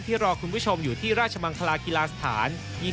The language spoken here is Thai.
รอคุณผู้ชมอยู่ที่ราชมังคลากีฬาสถาน